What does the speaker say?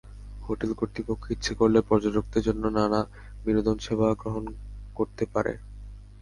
Hotel কর্তৃপক্ষ ইচ্ছে করলে পর্যটকদের জন্য নানা বিনোদনসেবা গ্রহণ করতে পারে।